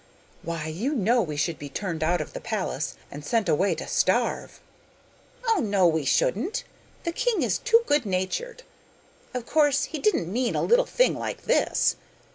Why, you know we should be turned out of the palace, and sent away to starve.' 'Oh no, we shouldn't. The king is too good natured. Of course he didn't mean a little thing like this!